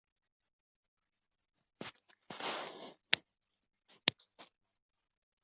撤收时则按照相反的顺序操作即可。